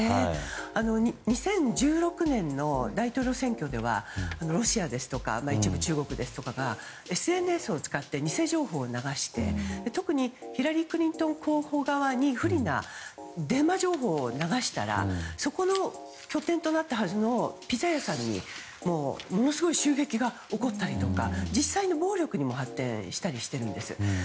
２０１６年の大統領選挙ではロシアや一部、中国ですとかはＳＮＳを使って偽情報を流して特にヒラリー・クリントン候補側に不利なデマ情報を流したらその拠点となったはずのピザ屋さんにものすごい襲撃が起こったりとか実際の暴力にも発展したりもしています。